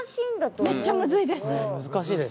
めっちゃむずいです。